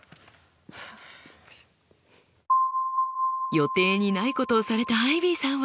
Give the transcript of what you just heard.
予定にないことをされたアイビーさんは。